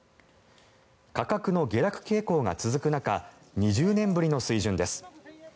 価格の下落傾向が続く中２０年ぶりの水準です。